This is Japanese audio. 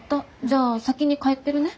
じゃあ先に帰ってるね。